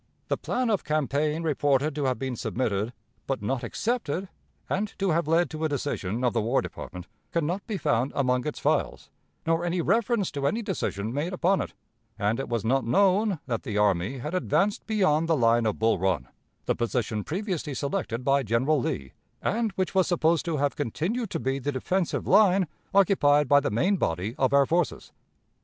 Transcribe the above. "The plan of campaign reported to have been submitted, but not accepted, and to have led to a decision of the War Department, can not be found among its files, nor any reference to any decision made upon it; and it was not known that the army had advanced beyond the line of Bull Run, the position previously selected by General Lee, and which was supposed to have continued to be the defensive line occupied by the main body of our forces.